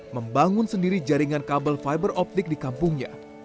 membangun sendiri jaringan kabel fiber optik di kampungnya